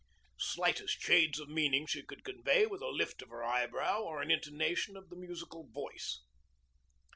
Slightest shades of meaning she could convey with a lift of the eyebrow or an intonation of the musical voice.